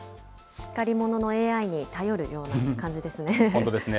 しっかり者のＡＩに頼るような感じですね。